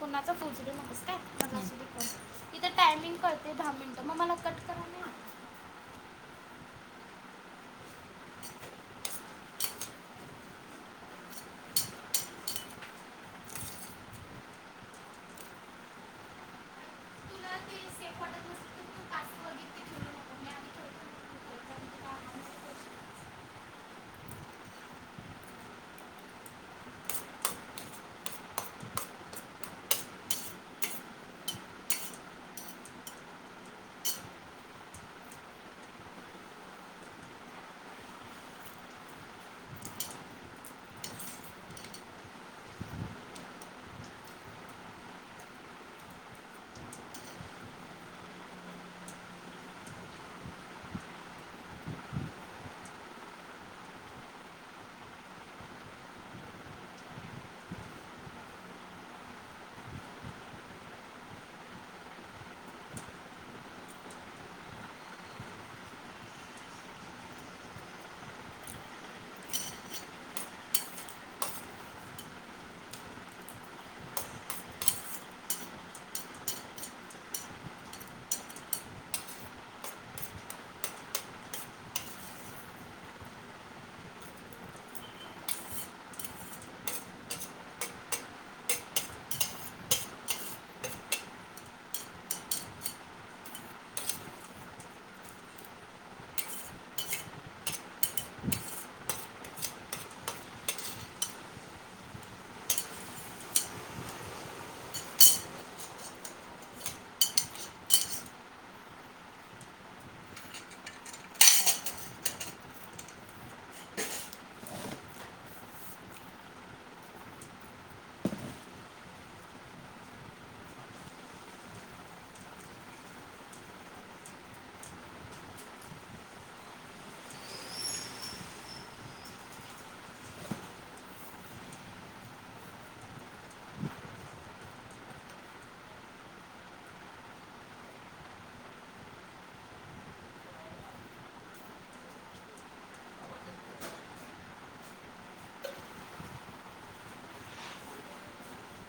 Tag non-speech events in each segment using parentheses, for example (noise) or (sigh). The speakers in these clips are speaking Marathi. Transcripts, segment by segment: कुणाचच उचलू नकोस काय मगं असुदे कोण पण इथं टायमिंग कळते दहा मिनिटं मग मला कट कर आणि हां.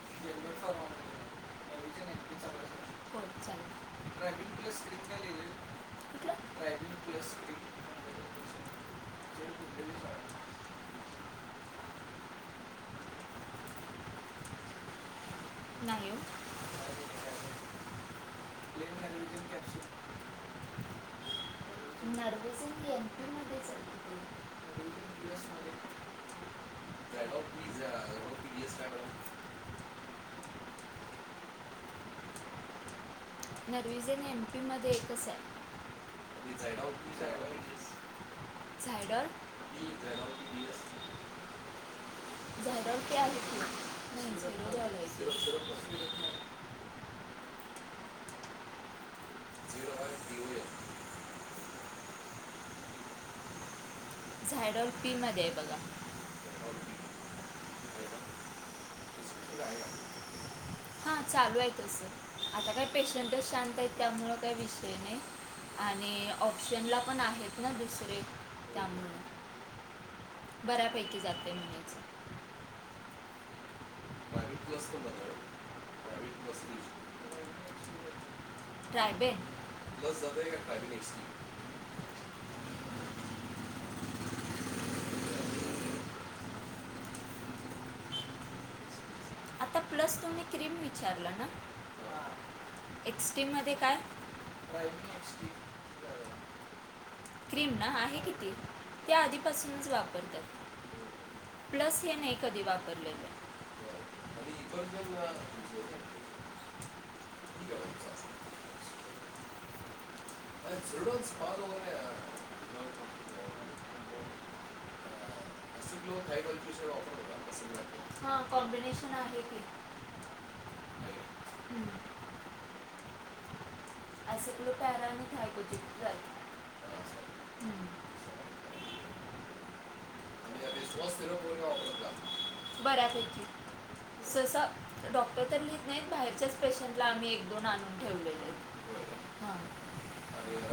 (unintelligible) (unintelligible) मिंग प्लस की स्क्रीन का लिहिलय? कुठलं (unintelligible) मिंग प्लस स्क्रीन. नाही ओ. नर्वेसिंग एम पी मध्येच आहे (unintelligible) लस (unintelligible) नरविझेन एमपी मध्ये एकच आहे, झायडाॅल पी झायडाॅल (inaudible) जीव हाचं जीव (unintelligible) झायडाॅल पी मध्ये आहे बघा हां चालू आहे तसं आता काय पेशंटच शांत आहेत त्यामुळं काही विषय नाही आणि ऑप्शनला पण आहेत ना दुसरे त्यामुळं, बऱ्यापैकी जाते म्हणायचं. (unintelligible) (unintelligible) प्लस तुमी क्रीम विचारल ना एक्सटीम मध्ये काय? क्रीम ना आहे कि ती ते आधीपासूनच वापरतात प्लस हे नाही कधी वापरलेल (inaudible) अरे झूरळच पाल वैगरे काही आत हा कॉबिनेशन आहे ती. (unintelligible) बऱ्यापैकी सहसा डॉक्टर तर लिहित नाहीत बाहेरच्याच पेशंटला आम्ही एक दोन आणून ठेवलेले आहेत. (unintelligible)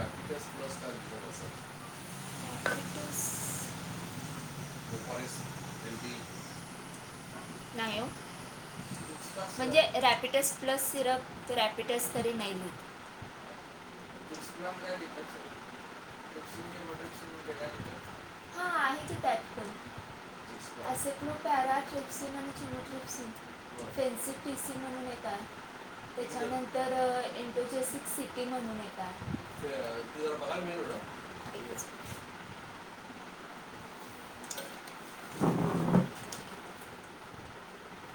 नाही हो म्हणजे rapid test plus syrup rapid test तरी नाही. ह आहे की. टाईप कर असे खूप पॅरा ट्रिप्सिंग आणि चिन ट्रिप्सिंग फेन्सी पिसिंग म्हणून येतात त्याच्यानंतर एंटोजेसिक सिटी म्हणून येत ते ते जरा बघायला मिळेल का? एकच मिनिट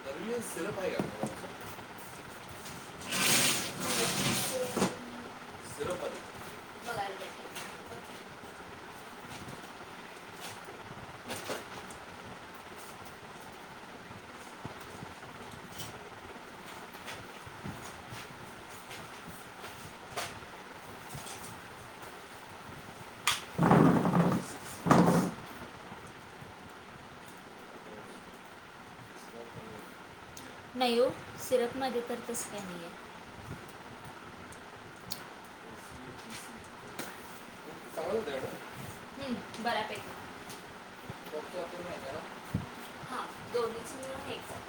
सिरप आहे का आपल्याकडं! (inaudible) नाही हो सिरपमध्ये तर तस काय नाही आहे. बऱ्यापेकी ह दोन्हीच वेळ घ्यायचं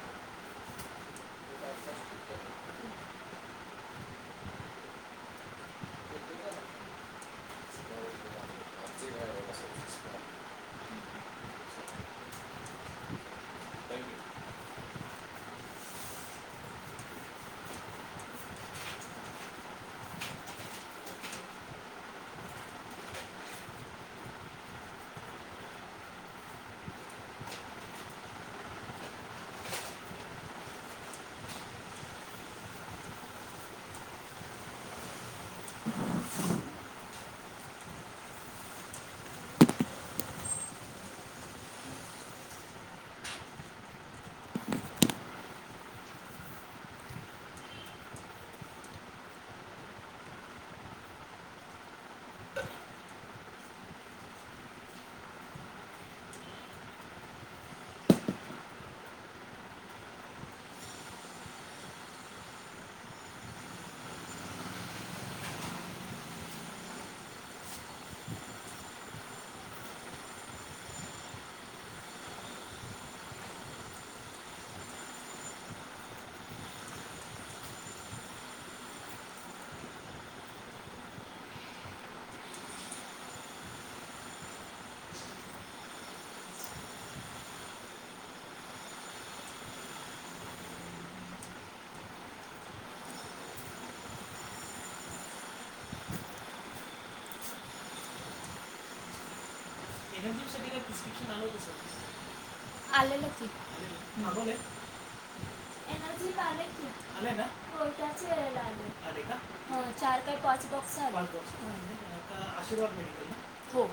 आलेलं की किट आलय की हो त्याच वेळेला आलंय चार का पाच बॉक्स आलेत हो